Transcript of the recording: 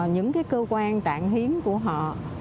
những cái cơ quan tạng hiến của họ